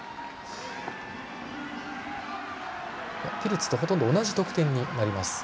ピルツと、ほとんど同じ得点になります。